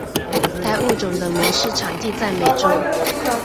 该物种的模式产地在美洲。